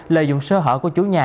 lợi dụng sơ hở của chú nhà